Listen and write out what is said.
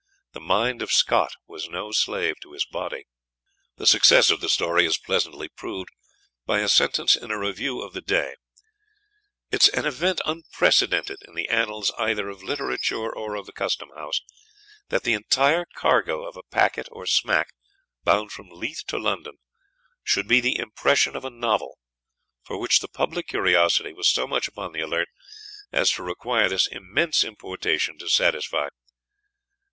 The mind of Scott was no slave to his body. The success of the story is pleasantly proved by a sentence in a review of the day: "It is an event unprecedented in the annals either of literature or of the custom house that the entire cargo of a packet, or smack, bound from Leith to London, should be the impression of a novel, for which the public curiosity was so much upon the alert as to require this immense importation to satisfy."